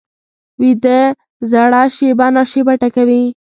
ویده زړه شېبه نا شېبه ټکوي